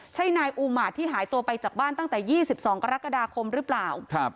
ใช่นายอูมาตที่หายตัวไปจากบ้านตั้งแต่๒๒กรกฎาคมหรือเปล่า